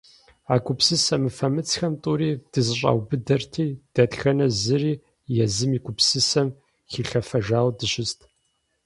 А гупсысэ мыфэмыцхэм тӀури дызэщӀаубыдэрти, дэтхэнэ зыри езым и гупсысэм хилъэфэжауэ дыщыст.